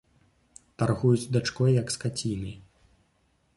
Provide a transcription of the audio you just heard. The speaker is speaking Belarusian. Таргуюць дачкой, як скацінай.